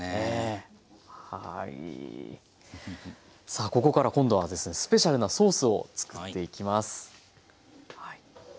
さあここから今度はスペシャルなソースを作っていきます。